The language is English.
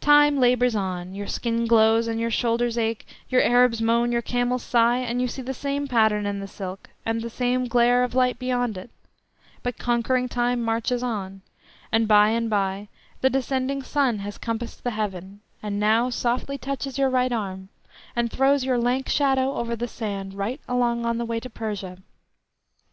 Time labours on; your skin glows and your shoulders ache, your Arabs moan, your camels sigh, and you see the same pattern in the silk, and the same glare of light beyond, but conquering Time marches on, and by and by the descending sun has compassed the heaven, and now softly touches your right arm, and throws your lank shadow over the sand right along on the way to Persia.